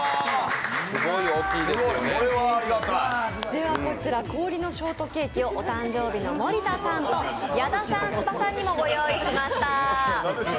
では、こちらこおりのショートケーキをお誕生日の森田さんと、矢田さん、芝さんにも用意しました。